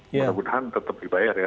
mudah mudahan tetap dibayar ya